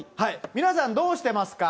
皆さん、どうしてますか？